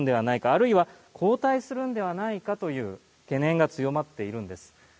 あるいは後退するのではないかという懸念が強まっているんです。